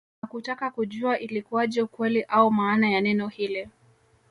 Na kutaka kujua ilikuaje ukweli au maana ya neno hili